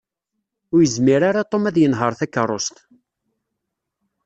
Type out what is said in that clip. Ur yezmir ara Tom ad yenheṛ takeṛṛust.